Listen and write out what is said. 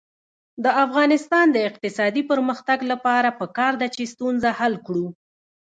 د افغانستان د اقتصادي پرمختګ لپاره پکار ده چې ستونزه حل کړو.